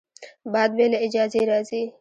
باد بې له اجازې راځي